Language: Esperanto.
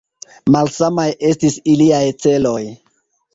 Malsamaj estis iliaj celoj.